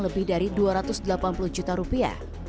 lebih dari dua ratus delapan puluh juta rupiah